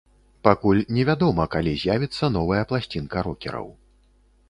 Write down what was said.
Пакуль не вядома, калі з'явіцца новая пласцінка рокераў.